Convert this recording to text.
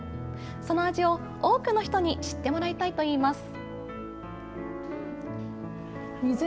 その味を多くの人に知ってもらいたいといいます。